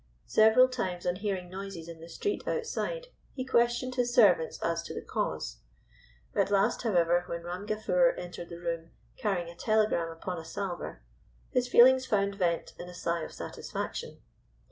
Several times on hearing noises in the street outside he questioned his servants as to the cause. At last, however, when Ram Gafur entered the room carrying a telegram upon a salver, his feelings found vent in a sigh of satisfaction.